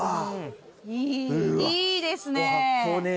いいいいですね。